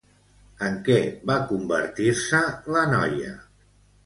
En què va convertir-se la noia?